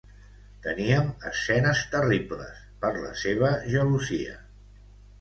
Teníem escenes terribles, per la seva gelosia.